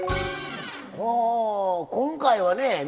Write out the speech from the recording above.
お今回はね